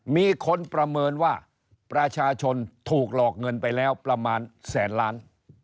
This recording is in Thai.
มีคนประเมินว่าประชาชนถูกหลอกเงินไปแล้วประมาณแสนล้าน